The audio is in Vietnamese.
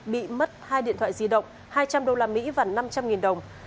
bị mất hai điện thoại di động hai trăm linh đô la mỹ và năm trăm linh nghìn đồng